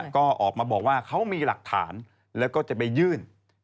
ก็ออกมาบอกว่าเขามีหลักฐานแล้วก็จะไปยื่น